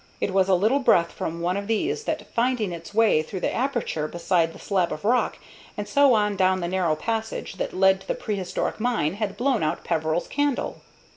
It was a little breath from one of these that, finding its way through the aperture beside the slab of rock, and so on down the narrow passage that led to the prehistoric mine, had blown out Peveril's candle.